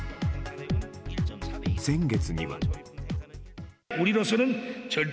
先月には。